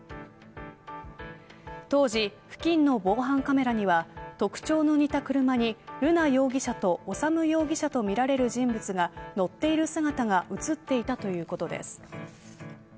当時、付近の防犯カメラには特徴の似た車に瑠奈容疑者と修容疑者とみられる人物が乗っている姿が映っていたということです。